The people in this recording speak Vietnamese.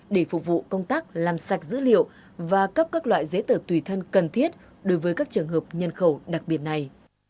để phục vụ công tác làm sạch dữ liệu và cấp các loại giấy tờ tùy thân cần thiết đối với các trường hợp nhân khẩu đặc biệt này